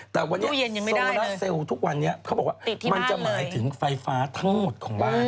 แต่วันนี้โซลาเซลล์ทุกวันนี้เขาบอกว่ามันจะหมายถึงไฟฟ้าทั้งหมดของบ้าน